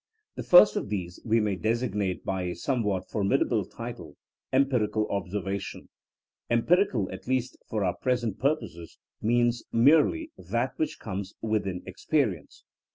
The first of these we may designate by a somewhat formid able title: empiricarl observation. Empirical, at least for our present purposes, means merely that which comes within experience.